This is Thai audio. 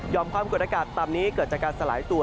ความกดอากาศต่ำนี้เกิดจากการสลายตัว